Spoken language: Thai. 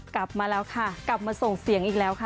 กลับมาแล้วค่ะกลับมาส่งเสียงอีกแล้วค่ะ